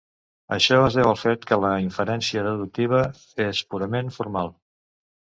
Això es deu al fet que la inferència deductiva és purament formal.